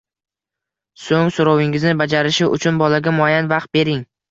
So‘ng so‘rovingizni bajarishi uchun bolaga muayyan vaqt bering